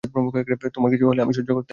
তোমার কিছু হলে আমি সহ্য করতে পারব না।